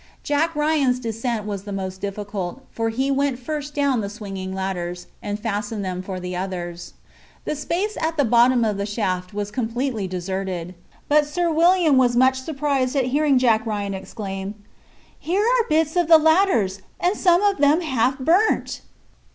Jack Ryan's descent was the most difficult, for he went first down the swinging ladders, and fastened them for the others. The space at the bottom of the shaft was completely deserted; but Sir William was much surprised at hearing Jack Ryan exclaim, "Here are bits of the ladders, and some of them half burnt!"